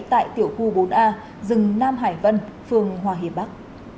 tại tiểu khu bốn a rừng nam hải vân phường hòa hiệp bắc